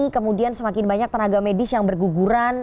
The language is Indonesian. kemudian semakin banyak tenaga medis yang berguguran